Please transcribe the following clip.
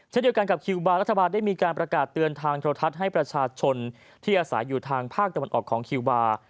เช่นเดียวกันกับคิวบาร์รัฐบาลได้มีการประกาศเตือนทางโทรทัศน์ให้ประชาชนที่อาศัยอยู่ทางภาคตะวันออกของคิวบาร์